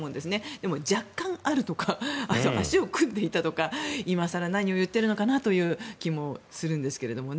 でも、若干あるとか足を組んでいたとか今更何を言っているのかなという気もするんですけどもね。